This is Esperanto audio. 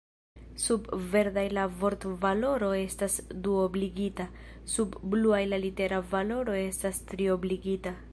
Sub verdaj la vortvaloro estas duobligita, sub bluaj la litera valoro estas triobligita.